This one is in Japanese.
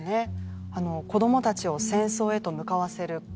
あの子どもたちを戦争へと向かわせる空気